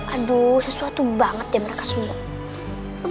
aduh sesuatu banget ya mereka semua